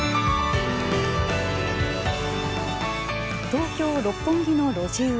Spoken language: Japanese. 東京六本木の路地裏。